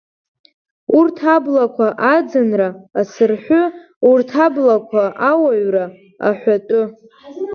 Урҭ аблақәа аӡынра, асырҳәы, урҭ аблақәа ауаҩра, аҳәатәы.